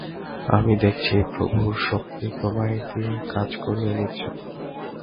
আমি দেখছি প্রভুর শক্তি তোমায় দিয়ে কাজ করিয়ে নিচ্ছে।